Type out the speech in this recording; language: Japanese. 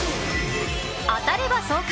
当たれば爽快！